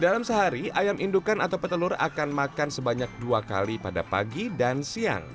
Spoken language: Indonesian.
dalam sehari ayam indukan atau petelur akan makan sebanyak dua kali pada pagi dan siang